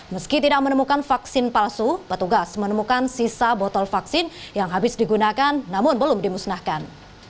meski tidak menemukan vaksin palsu petugas menemukan sisa botol vaksin yang habis digunakan namun belum dimusnahkan